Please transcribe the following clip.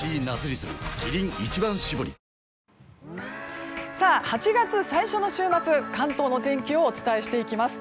キリン「一番搾り」８月最初の週末の関東の天気をお伝えしていきます。